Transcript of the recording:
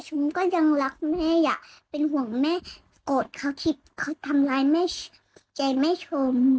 ก็ยังรักแม่อ่ะเป็นห่วงแม่โกรธเขาคิดเขาทำร้ายแม่ใจแม่ชม